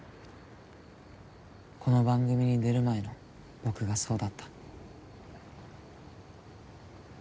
この番組に出る前の僕がそうだった。